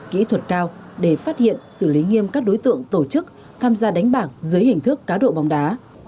kỹ thuật cao để phát hiện xử lý nghiêm các đối tượng tổ chức tham gia đánh bạc dưới hình thức cá độ bóng đá